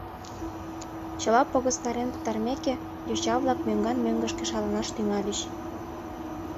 Чыла погыстарен пытарымеке, йоча-влак мӧҥган-мӧҥгышкӧ шаланаш тӱҥальыч.